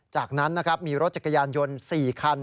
จากนั้นนะครับมีรถจักรยานยนต์๔คัน